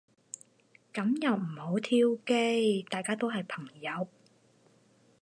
噉又唔好挑機。大家都係朋友